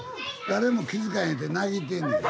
誰も気付かへんって嘆いてんねん。